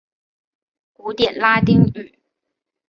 古典拉丁语。